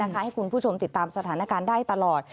ให้คุณผู้ชมติดตามสถานการณ์ได้ตลอด